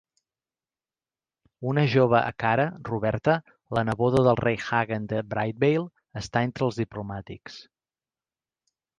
Una jove Acara, Roberta, la neboda del Rei Hagan de Brightvale, està entre els diplomàtics.